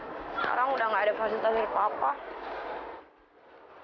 sekarang udah nggak ada fasilitas dari papa